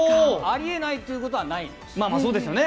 ありえないということはないです。